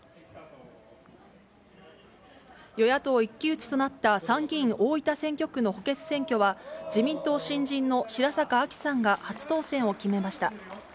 与野党一騎打ちとなった参議院大分選挙区の補欠選挙は、自民党新人の白坂亜紀さんが初当選を決めました。